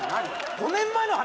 ５年前の話？